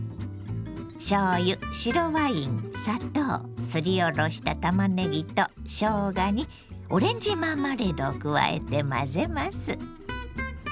しょうゆ白ワイン砂糖すりおろしたたまねぎとしょうがにオレンジマーマレードを加えて混ぜます。